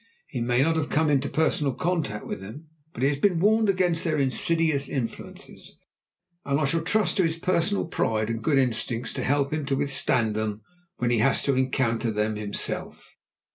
He may not have come into personal contact with them, but he has been warned against their insidious influences, and I shall trust to his personal pride and good instincts to help him to withstand them when he has to encounter them himself.